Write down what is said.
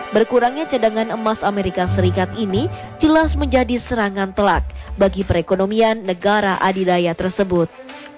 berkurangnya cadangan emas amerika serikat ini jelas menjadi serangan telak bagi perekonomian negara adidaya tersebut